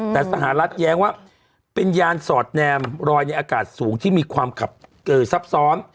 แต่สหรัฐแย้งว่าเป็นยานสอดแนมรอยในอากาศสูงที่มีความขับซับซ้อน